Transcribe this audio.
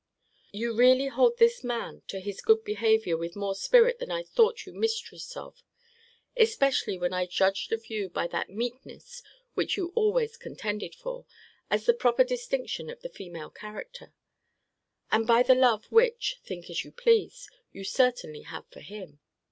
You really hold this man to his good behaviour with more spirit than I thought you mistress of; especially when I judged of you by that meekness which you always contended for, as the proper distinction of the female character; and by the love, which (think as you please) you certainly have for him.